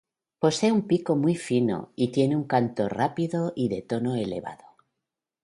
Posee un pico muy fino y tiene un canto rápido y de tono elevado.